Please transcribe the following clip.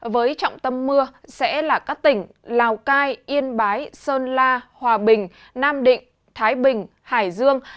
với trọng tâm mưa sẽ là các tỉnh lào cai yên bái sơn la hòa bình nam định thái bình hải dương